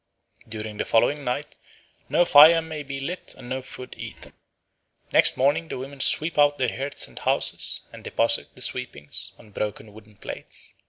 During the following night no fire may be lit and no food eaten. Next morning the women sweep out their hearths and houses, and deposit the sweepings on broken wooden plates.